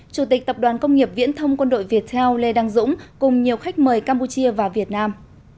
chủ tịch tập đoàn công nghiệp viễn thông quân đội viettel lê đăng dũng cùng nhiều khách mời campuchia vào việt nam